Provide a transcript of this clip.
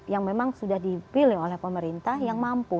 yang memang sudah dipilih oleh pemerintah yang mampu